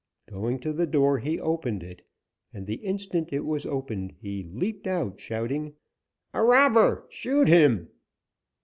Going to the door, he opened it, and the instant it was opened he leaped out, shouting: "A robber! Shoot him!"